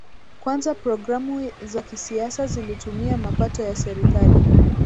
kwanza programu za kisiasa zilitumia mapato ya serikali